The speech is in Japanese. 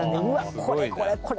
これこれこれ！